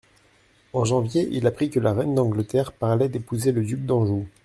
En janvier, il apprit que la reine d'Angleterre parlait d'épouser le duc d'Anjou.